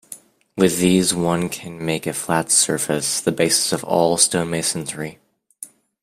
With these one can make a flat surface - the basis of all stonemasonry.